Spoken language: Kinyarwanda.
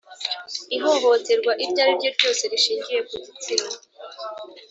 Ihohoterwa iryo ari ryo ryose rishingiye ku gitsina